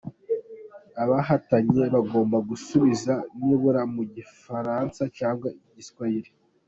Abahatanye bagombaga gusubiza nibura mu gifaransa cyangwa igiswahili.